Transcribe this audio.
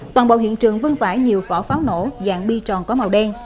toàn bộ hiện trường vưng vải nhiều vỏ pháo nổ dạng bi tròn có màu đen